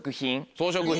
装飾品